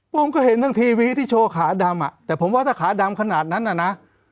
ผมก็เห็นทั้งทีวีที่โชว์ขาดำอ่ะแต่ผมว่าถ้าขาดำขนาดนั้นน่ะนะ